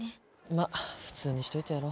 まっ普通にしといてやろ。